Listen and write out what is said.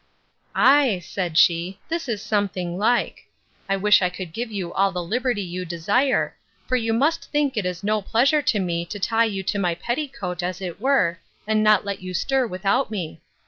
Ay, said she, this is something like: I wish I could give you all the liberty you desire; for you must think it is no pleasure to me to tie you to my petticoat, as it were, and not let you stir without me.